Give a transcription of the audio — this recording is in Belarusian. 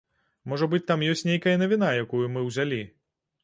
Можа быць, там ёсць нейкая навіна, якую мы ўзялі.